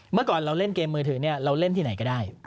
เมื่อก่อนเราเล่นเกมมือถือเราเล่นที่ไหนก็ได้